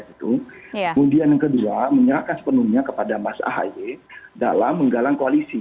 kemudian yang kedua menyerahkan sepenuhnya kepada mas ahaye dalam menggalang koalisi